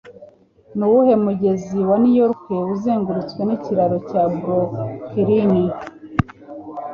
Nuwuhe mugezi wa New York uzengurutswe n'ikiraro cya Brooklyn?